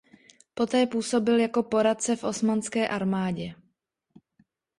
Poté působil jako poradce v osmanské armádě.